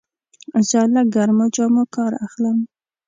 زه له ګرمو جامو کار اخلم.